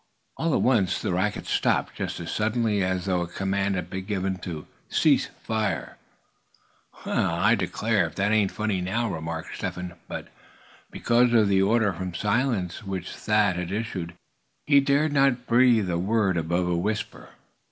All at once the racket stopped, just as suddenly as though a command had been given to "cease firing." "Well, I declare, if that ain't funny, now," remarked Step Hen, but because of the order for silence which Thad had issued, he dared not breathe a word above a whisper.